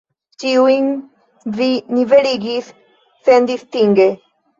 Ĉiujn vi niveligis sendistinge.